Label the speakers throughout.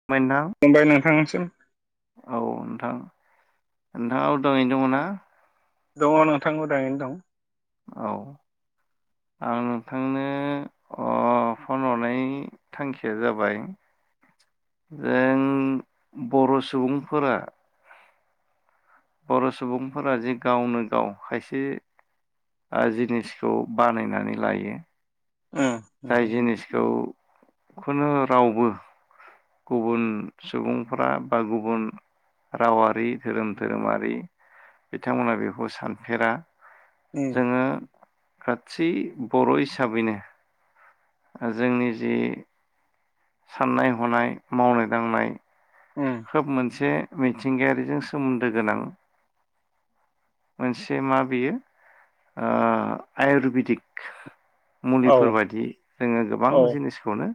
Speaker 1: [unintelligible]
Speaker 2: हमबाय नोंथांनिसिम।
Speaker 1: औ नोंथां नोंथाङा अर्दार यैनो दङ ना?
Speaker 2: दङ नोंथां मोजाङैनो दं।
Speaker 1: औ आं नोंथांनो अ फन हरनाय थांखिया जाबाय जों बर' सुबुंफोरा बर' सुबुंफोरा जे गावनो गाव खायसे ओ जिनिसखौ बानायनानै लायो।
Speaker 2: उम।
Speaker 1: जाय
Speaker 2: नोंथां
Speaker 1: जिनिसखौ खुनु रावबो गुबुन सुबुंफ्रा बा गुबुन रावारि धोरोम धोरोमारि बिथांमोना बेखौ सानफेरा।
Speaker 2: उम
Speaker 1: जोङो खाथिै बर' हिसाबैनो ओ जोंनि जि साननाय हनाय मावनाय दांनाय
Speaker 2: उम
Speaker 1: खोब मोनसे मिथिंगायारिजों सोमोन्दो गोनां मोनसे मा बेयो ओ आयुरबेदिक
Speaker 2: औ
Speaker 1: मुलिफोरबायदि जोङो गोबां
Speaker 2: औ
Speaker 1: जिनिसखौनो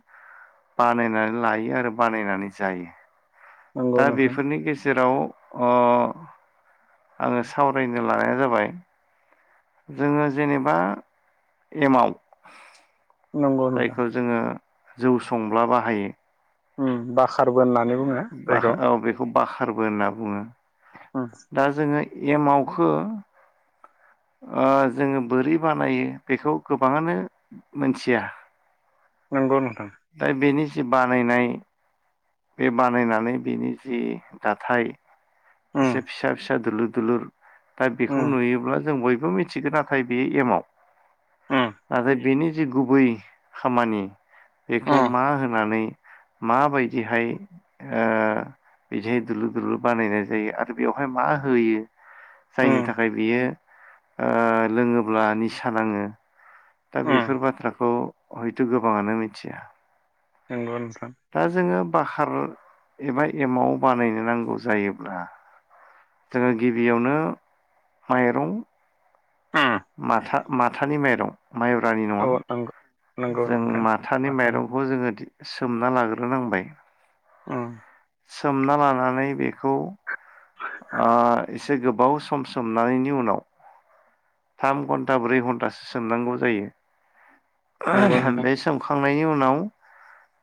Speaker 1: बानायनानै लायो आरो बानायनानै जायो
Speaker 2: नंगौ
Speaker 1: दा
Speaker 2: नोंथां
Speaker 1: बेफोरनि गेजेराव अ आङो सावरायनो लानाया जाबाय जोङो जेनेबा एमाव
Speaker 2: नंगौ नोंथां
Speaker 1: जायखौ जोङो जौ संब्ला बाहायो।
Speaker 2: उम बाखारबो होननानै बुङो। जायखौ
Speaker 1: बाखार औ बेखौ बाखारबो होनना बुङो।
Speaker 2: उम
Speaker 1: दा जोङो एमावखो ओ जोङो बोरै बानायो बेखौ गोबाङानो मोनथिया।
Speaker 2: नंगौ नोंथां।
Speaker 1: दा बेनि जि बानायनाय बे बानायनानै बिनि जि दाथाय
Speaker 2: उम
Speaker 1: एसे फिसा फिसा दुलुर दुलुर दा बेखौ
Speaker 2: उम
Speaker 1: नुयोब्ला जों बयबो मिथिगोन आरो। नाथाय बेयो एमाव
Speaker 2: उम
Speaker 1: नाथाय बेनि जि गुबै खामानि बेखौ
Speaker 2: उम
Speaker 1: मा होनानै माबायदिहाय ओ बिदि दुलु दुलु बानायनाय जायो आरो बेवहाय मा होयो जायनि
Speaker 2: उम
Speaker 1: थाखाय बियो ओ लोङोब्ला निसा नाङो दा
Speaker 2: उम
Speaker 1: बेफोर बाथ्राखौ हयथ' गोबाङानो मिथिया।
Speaker 2: नंगौ नोंथां।
Speaker 1: दा जोङो बाखार एबा एमाव बानायनो नांगौ जायोब्ला जोङो गिबियावनो माइरं
Speaker 2: उम
Speaker 1: माथा माथानि माइरं माइब्रानि नङा
Speaker 2: औ नंगौ नंगौ
Speaker 1: जों
Speaker 2: नोंथां
Speaker 1: माथानि माइरंखौ जोङो सोमना लाग्रो नांबाय।
Speaker 2: अ
Speaker 1: सोमना लानानै बेखौ ओ एसे गोबाव सम सोमनायनि उनाव थाम घन्टा ब्रै घन्टासो सोमनांगौ
Speaker 2: नंगौ
Speaker 1: जायो
Speaker 2: नोंथां
Speaker 1: बे सोमखांनायनि उनाव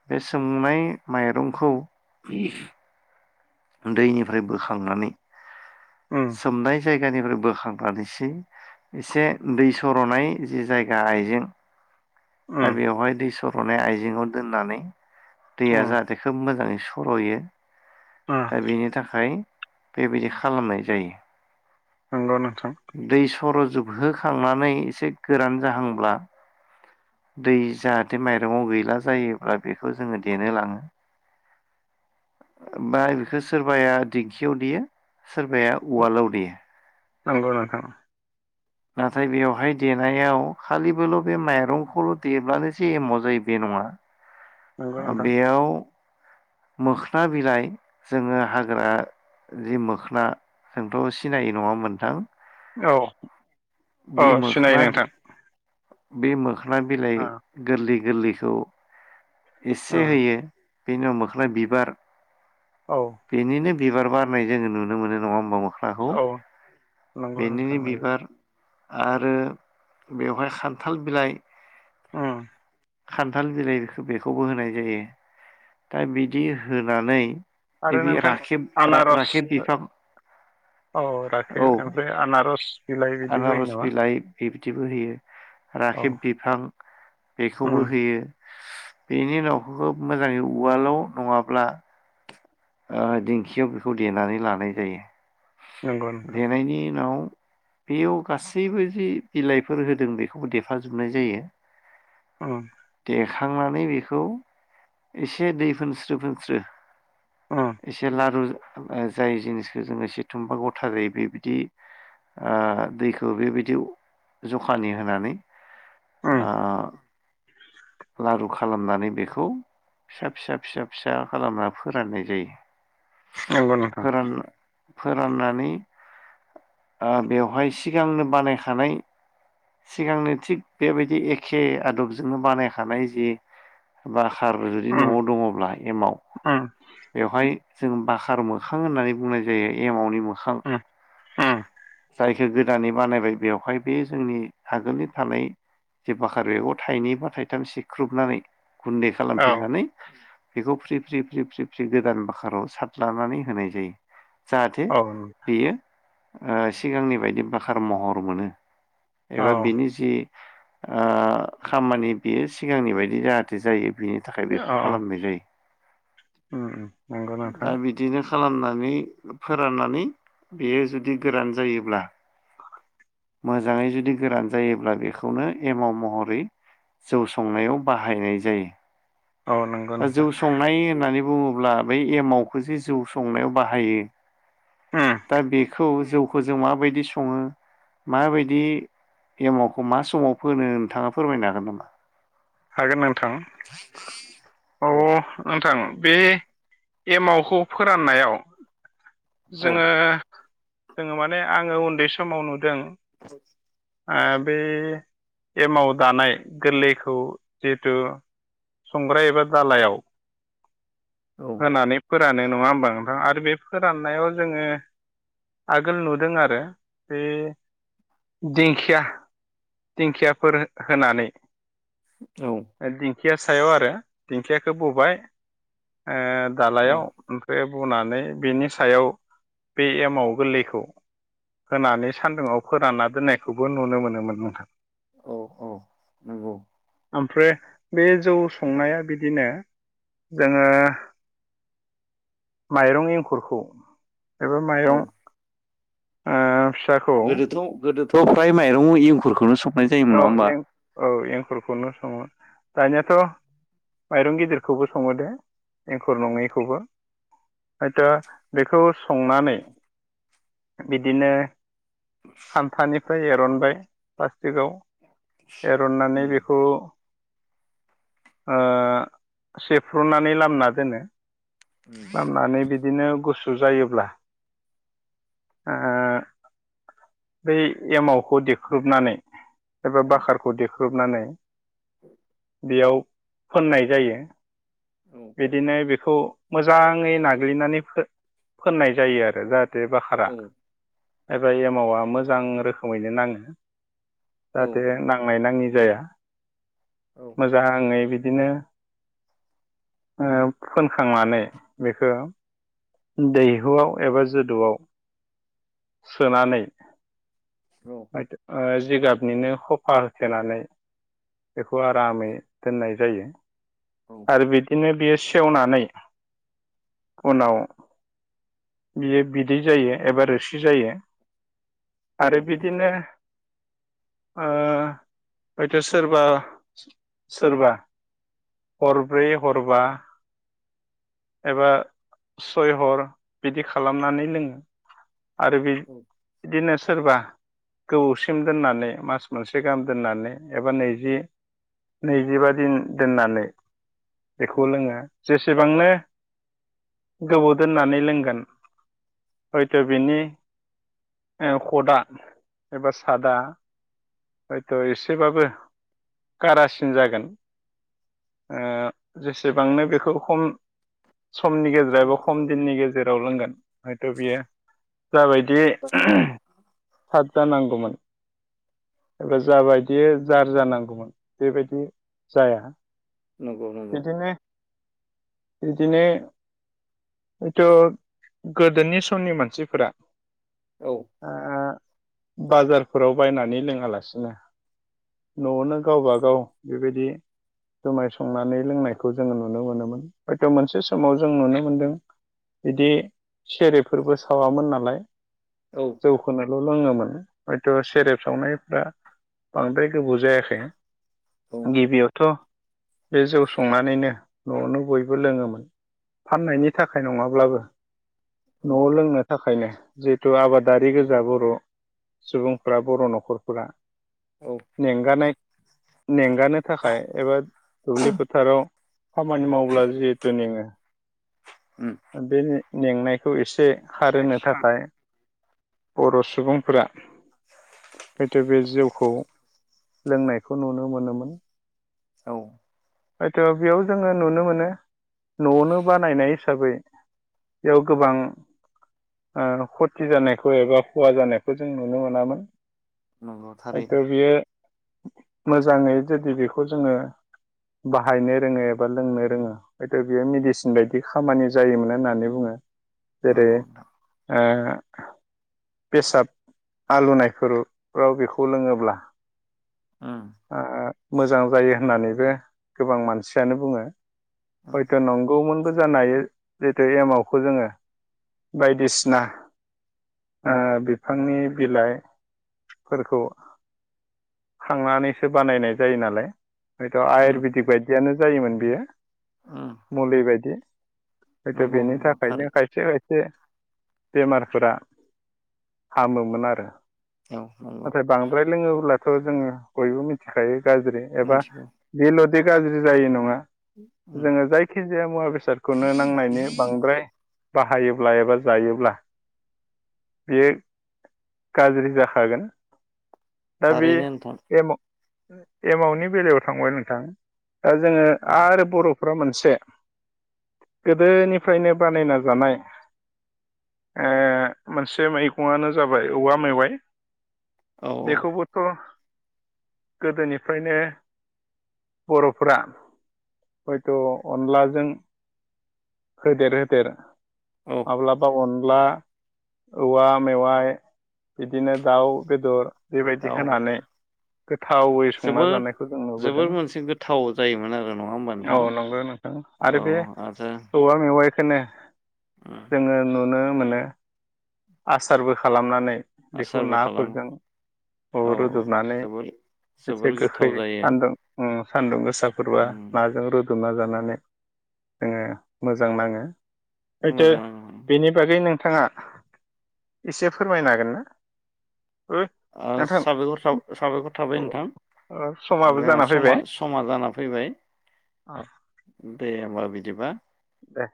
Speaker 1: बे सोमनाय माइरंखौ दैनिफ्राय बोखांनानै
Speaker 2: उम
Speaker 1: सोमनाय जायगानिफ्राय बोखांनानैसो एसे दै सर'नाय जि जायगा आइजें दा
Speaker 2: उम
Speaker 1: बेवहाय दै सर'नाय आइजेंआव दोननानै दैया
Speaker 2: उम
Speaker 1: जाहाथे खोब मोजाङै स- फर'यो
Speaker 2: अह
Speaker 1: दा बेनि थाखाय बेबायदि खालामनाय जायो।
Speaker 2: नोंगौ नोंथां।
Speaker 1: दै सर जोबहोखांनानै एसे गोरान जाहांब्ला दै जाहाथे माइरङाव गैला जायोब्ला बेखौ जोङो देनो लाङो। बा बेखौ सोरबाया दिंखियाव देयो सोरबाया उवालाव देयो।
Speaker 2: नोंगौ नोंथां।
Speaker 1: नाथाय बेवहाय देनायाव खालिबोल बे माइरंखौल देब्लानोजे एमाव जायो बे नङा।
Speaker 2: नंगौ
Speaker 1: ओ
Speaker 2: नोंथां
Speaker 1: बेयाव मोखोना बिलाइ जोङो हाग्रा जि मोखोना। नोंथ सिनायै नङा नोंथां?
Speaker 2: औ
Speaker 1: बे
Speaker 2: औ सिनायो
Speaker 1: मोखोना
Speaker 2: नोंथां।
Speaker 1: बे मोखोना बिलाइ गोरलै गोरलैखौ एसे
Speaker 2: ओ
Speaker 1: होयो बेनि उनाव मोख्ना बिबार
Speaker 2: औ
Speaker 1: बेनिनो बिबार बारनाय जोङो नुनो मोनो। नङा होमबा? खौ
Speaker 2: औ औ नंगौ नोंथां
Speaker 1: बेनिनो
Speaker 2: नंगौ
Speaker 1: बिबार आरो बेवहाय खान्थाल बिलाइ।
Speaker 2: उम
Speaker 1: खान्थाल बिलाइ बेखौबो होनाय जायो। दा बिदि होनानै
Speaker 2: आरो
Speaker 1: ओ बे
Speaker 2: नोंथां
Speaker 1: राखेब
Speaker 2: आनारस
Speaker 1: रा-राखेब बिफां
Speaker 2: औ
Speaker 1: औ
Speaker 2: राखेब ओमफ्राय आनारस बिलाइ बिदि होयो
Speaker 1: आनारस
Speaker 2: नामा
Speaker 1: बिलाइ बिब्दिबो होयो।
Speaker 2: औ
Speaker 1: राखेब बिफां
Speaker 2: उम
Speaker 1: बेखौबो होयो बेनि उनाव खोब मोजाङै उवालाव नङाब्ला ओ दिंखियाव बेखौ देनानै लानाय जायो।
Speaker 2: नंगौ नोंथां
Speaker 1: देनायनि उनाव बेयाव गासैबो जि बिलाइफोर होदों बेखौबो देफाजोबनाय जायो।
Speaker 2: ओ
Speaker 1: देखांनानै बेखौ एसे दै फोनस्रो फोनस्रो
Speaker 2: ओ
Speaker 1: एसे लारु ओ जाय जिनिसखौ जोङो सेथुमबा गथा जायो बेबायदि ओ दैखौ बेबायदियाव जखानि होनानै
Speaker 2: उम
Speaker 1: ओ लारु खालामनानै बेखौ फिसा फिसा फिसा फिसा खालामना फोराननाय जायो।
Speaker 2: नंगौ नोंथां
Speaker 1: फोरान फोराननानै ओ बेवहाय सिगांनो बानायखानाय सिगांनो थिग बेबायदि एखे आदबजोंनो बानायखानाय जे बाखार जुदि
Speaker 2: उम
Speaker 1: नआव दङब्ला एमाव
Speaker 2: उम
Speaker 1: बेवहाय जों बाखार मोखां होननानै बुंनाय जायो एमावनि मो- खाम
Speaker 2: उम उम
Speaker 1: जाय बे गोदानै बानायबाय बेवहाय बे जोंनि आगोलनि थानाय जे बाखार बेगाव थाइनै बा थाइथाम सिख्रुबनानै गुन्दै
Speaker 2: औ
Speaker 1: खालामफिननानै बेखौ फ्रि फ्रि फ्रि फ्रि जि गोदान बाखाराव साथलानानै होनाय जायो। जाहाथे
Speaker 2: औ
Speaker 1: बेयो ओ सिगांनि बायदि बाखार महर मोनो
Speaker 2: औ
Speaker 1: एबा बिनि जि ओ खामानि बियो सिगांनि बायदि जाहाथे जायो बिनि थाखाय बेखौ खालामनाय जायो।
Speaker 2: उम उम नंगौ
Speaker 1: आ
Speaker 2: नोंथां
Speaker 1: बि दिनो खालामनानै फोराननानै बेयो जुदि गोरान जायोब्ला मोजाङै जुदि गोरान जायोब्ला बेखौनो एमाव महरै जौ संनायाव बाहायनाय जायो
Speaker 2: औ नंगौ
Speaker 1: दा जौ
Speaker 2: नोंथां
Speaker 1: संनाय होननानै बुङोब्ला बै एमावखौजे जौ संनायाव बाहायो
Speaker 2: उम
Speaker 1: दा बेखौ जौखौ जों माबायदि सङो माबायदि एमावखौ मा समाव फोनो नोंथाङा फोरमायनो हागोन नामा
Speaker 2: हागोन नोंथां औ नोंथां बे एमावखौ फोराननायाव
Speaker 1: औ
Speaker 2: जोङो जोङो माने आङो उन्दै समाव नुदों
Speaker 1: [unintelligible]
Speaker 2: ओ बे एमाव दानाय गोरलैखौ जिहेथु संग्राय एबा दालायाव होनानै फोरानो नङा होमबा नोंथां आरो बे फोराननायाव जोङो आगोल नुदों आरो बे दिंखिया दिंखियाफोर होनानै
Speaker 1: औ
Speaker 2: ओ दिंखिया सायाव आरो दिंखियाखौ बबाय ओ
Speaker 1: औ
Speaker 2: दालायाव ओमफ्राय बनानै बिनि सायाव बे एमाव गोरलैखौ होनानै सान्दुङाव फोरानना दोननायखौबो नुनो मोनोमोन नोंथां।
Speaker 1: औ औ नोंगौ
Speaker 2: ओमफ्राय बे जौ संनाया बिदिनो जोङो माइरं एंखुरखौ एबा
Speaker 1: औ
Speaker 2: माइरं ओ फिसाखौ
Speaker 1: गोदोथ' गोदोथ' फ्राय माइरं इंखुरखौनो सं
Speaker 2: औ जों औ एंखुरखौनो सङो दानियाथ' माइरं गिदिरखौबो सङो दे एंखुर
Speaker 1: औ
Speaker 2: नङैखौबो हयथ' बेखौ संनानै बिदिनो खान्थानिफ्राय एरनबाय जेगाव एरननानै
Speaker 1: उम
Speaker 2: बेखौ ओ सेफ्रुनानै लामना दोनो
Speaker 1: उम
Speaker 2: खालामनानै बिदिनो गुसु जायोब्ला ओ बै एमावखौ देख्रुबनानै एबा
Speaker 1: औ
Speaker 2: बाखारखौ देख्रुबनानै
Speaker 1: [inaudible]
Speaker 2: बेयाव फोननाय जायो
Speaker 1: औ
Speaker 2: बिदिनो बेखौ मोजाङै नाग्लिनानै फो फोननाय जायो आरो जाहाथे बाखारा
Speaker 1: औ
Speaker 2: एबा एमावा मोजां रोखोमैनो नाङो
Speaker 1: औ
Speaker 2: जाहाथे नां नांनाय नाङि जाया मोजाङै बिदिनो ओ फोनखांनानै बेखौ दैहुआव एबा जोदौआव सोनानै ओ जिगाबनिनो ख खफाहथेनानै बेखौ आरामै दोननाय जायो। आरो बिदिनो बियो सेवनानै उनाव बियो बिदै जायो एबा रोसि जायो आरो बिदिनो ओ हयथ' सोरबा सोरबा हरब्रै हरबा एबा सयहर बिदि खालामनानै लोङो आरो बे
Speaker 1: औ
Speaker 2: बिदिनो सोरबा गोबौसिम दोननानै मास मोनसे गाहाम दोननानै एबा नैजि नैजिबा दिन दोननानै बेखौ लोङो जेसेबांनो गोबाव दोननानै लोंगोन हयथ' बिनि ओ खदआ एबा सादा हयथ' एसेबाबो कारासिन जागोन। जेसेबांनो बेखौ खम समनि गेजेराव खम दिननि गेजेराव लोंगोन हयथ' बियो जाबायदि
Speaker 1: औ
Speaker 2: फ्राद जानांगौमोन एबा जाबायदि जार जानांगौमोन बेबायदि जाया
Speaker 1: नंगौ नंगौ
Speaker 2: बिदिनो-बिदिनो हयथ' गोदोनि समनि मानसिफोरा
Speaker 1: औ
Speaker 2: बाजारफोराव बायनानै लोङालासिनो न'आवनो गावबागाव बेबायदि जुमाय संनानै लोंनायखौ जोङो नुनो मोनोमोन हयथ' मोनसे समाव जों नुनो मोनदों बिदि सेरेफफोरबो सावामोन नालाय
Speaker 1: औ
Speaker 2: जौखौनोल' लोङोमोन हयथ' सेरेब सावनायफ्रा बांद्रायखौ बुजायाखै
Speaker 1: औ
Speaker 2: गिबियावथ' बे जौ संनानैनो न'आवनो बयबो लोङोमोन फाननायनि थाखाय नङाब्लाबो
Speaker 1: औ
Speaker 2: न'आव लोंनो थाखायनो जिहेथु आबादारि गोजा बर' सुबुंफ्रा बर' न'खरफोरा
Speaker 1: औ
Speaker 2: मेंगानाय मेंगानो थाखाय एबा दुब्लि फोथाराव खामानि मावोब्ला जिहेतु मेङो
Speaker 1: उम
Speaker 2: बे मेंनायखौ एसे खारहोनो थाखाय बर' सुबुंफोरा हयथ' बे जिउखौ लोंनायखौ नुनो मोनोमोन
Speaker 1: औ
Speaker 2: हयथ' बेयाव जोङो नुनो मोनो न'आवनो बानायनाय हिसाबै बेयाव गोबां खथि जानायखौ एबा खहा जानायखौ जों नुनो मोनामोन
Speaker 1: नंगौ
Speaker 2: हयथ'
Speaker 1: थारैनो
Speaker 2: बियो मोजाङै जुदि बेखौ जोङो बाहायनो रोङो एबा लोंनो रोङो हयथ' बियो मेडिसिन बायदि खामानि जायोमोन होननानै बुङो जेरै
Speaker 1: नंगौ
Speaker 2: ओ बेसाद आलौनायफोराव बेखौ लोङोब्ला
Speaker 1: उम
Speaker 2: ओ‌मोजां जायो होननानैबो गोबां मानसियानो बुङो
Speaker 1: उम
Speaker 2: हयथ' नंगौमोनबो जानो हायो जिहेथु एमावखौ जोङो बायदिसिना ओ बिफांनि बिलाइ फोरखौ खांनानैसो बानायनाय जायो नालाय हयथ'
Speaker 1: उम
Speaker 2: आयुरवेदिक बायदियानो जायोमोन बियो
Speaker 1: उम
Speaker 2: मुलि बायदि हयथ'
Speaker 1: नंगौ
Speaker 2: बेनि
Speaker 1: नंगौ थारै
Speaker 2: थाखायनो खायसे खा से बेमारफोरा हामोमोन आरो।
Speaker 1: औ नंगौ
Speaker 2: नाथाय बांद्राय लोङोब्लाथ' जोङो बयबो मिथिखायो गाज्रि एबा
Speaker 1: मोनथिगौ
Speaker 2: बे गाज्रि जायो नङा
Speaker 1: उम
Speaker 2: जोङो जायखिजाया मुवा बेसादखौनो नांनायनि बांद्राय बाहायोब्ला एबा जायोब्ला बियो गाज्रि जाखागोन। दा बे
Speaker 1: थारैनो नोंथां
Speaker 2: एमाव-एमावनि बेलायाव थांबाय नोंथां दा जोङो
Speaker 1: औ
Speaker 2: आरो बर' फोरा मोनसे गोदोनिफ्रायनो बानायना जानाय ओ मोनसे मैगंआनो जाबाय औवा मेवाइ‌
Speaker 1: औ औ
Speaker 2: बेखौबोथ' गोदोनिफ्रायनो बर'फोरा हयथ' अनलाजों होदेर होदेर
Speaker 1: औ
Speaker 2: माब्लाबा अनला औवा मेवाइ बिदिनो दाउ बेदर बेबायदि
Speaker 1: दाउ
Speaker 2: होनानै गोथावै संना जानायखौ जों नुबोदों।
Speaker 1: थाव जायोमोन आरो नङा होमबा?
Speaker 2: औ
Speaker 1: नोंथां
Speaker 2: नंगौ नोंथां आरो बे
Speaker 1: औ आरो
Speaker 2: औवा मेवाइखोनो
Speaker 1: उम
Speaker 2: जोङो नुनो मोनो आसारबो खालामनानै बेखौ
Speaker 1: आसारबो खालामो
Speaker 2: नाफोरजों
Speaker 1: औ
Speaker 2: रुथबनानै
Speaker 1: जोबोर
Speaker 2: एसे
Speaker 1: जोबोर
Speaker 2: गोखै
Speaker 1: गोथाव जायो
Speaker 2: सानदुं ओ सान्दुं गोसाफोरबा
Speaker 1: उम
Speaker 2: नाजों रुद दोबना जानानै जोङो मोजां नाङो। सैथो
Speaker 1: मोजां
Speaker 2: बेनि बागै नोंथाङा एसे फोरमायनो हागोन ना? ओ
Speaker 1: ओ
Speaker 2: नोंथां
Speaker 1: साबायखर साबायखर थाबाय नोंथां
Speaker 2: समाबो
Speaker 1: जोंहा
Speaker 2: जाना
Speaker 1: समा
Speaker 2: फैबाय
Speaker 1: समा जाना फैबाय दे होमबा बिदिबा
Speaker 2: दे